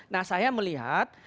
nah saya melihat